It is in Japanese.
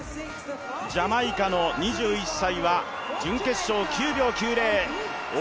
ジャマイカの２１歳は準決勝９秒９０。